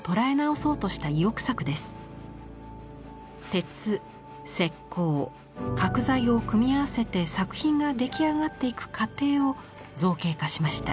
鉄石膏角材を組み合わせて作品が出来上がっていく過程を造形化しました。